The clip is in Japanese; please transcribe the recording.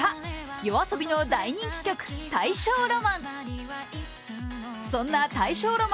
ＹＯＡＳＯＢＩの大人気曲「大正浪漫」。